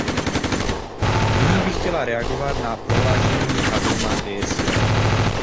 Nyní bych chtěla reagovat na prohlášení Harlema Désira.